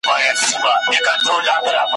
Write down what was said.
عدالت به مې وژغوري